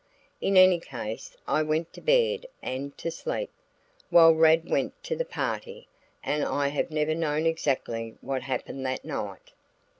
In any case, I went to bed and to sleep, while Rad went to the party, and I have never known exactly what happened that night.